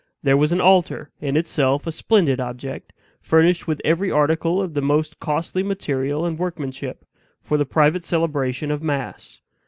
There was an altar, in itself a splendid object, furnished with every article of the most costly material and workmanship, for the private celebration of mass.